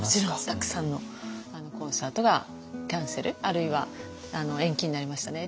たくさんのコンサートがキャンセルあるいは延期になりましたね。